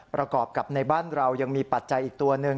ประกอบกับในบ้านเรายังมีปัจจัยอีกตัวหนึ่ง